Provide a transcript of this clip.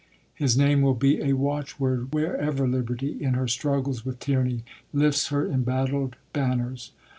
His name will be a watchword wherever liberty in her struggles with tyranny lifts her embattled banners.